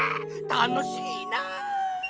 たのしいなぁ！